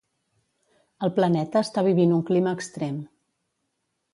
El planeta està vivint un clima extrem.